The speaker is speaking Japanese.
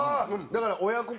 だから親子。